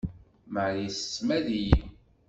Marie tessmad-iyi.